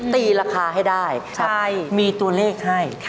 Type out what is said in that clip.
ตีราคาให้ได้มีตัวเลขให้